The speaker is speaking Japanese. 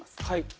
はい。